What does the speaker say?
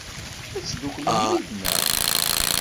Ad tedduklem yid-neɣ?